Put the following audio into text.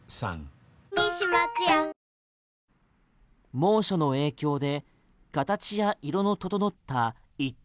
猛暑の影響で形や色の整った一等